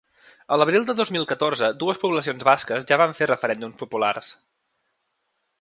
A l’abril de dos mil catorze dues poblacions basques ja van fer referèndums populars.